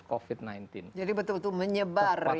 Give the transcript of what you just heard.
covid sembilan belas jadi betul betul menyebar dari